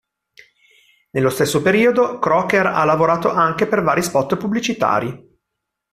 Nello stesso periodo, Croker ha lavorato anche per vari spot pubblicitari.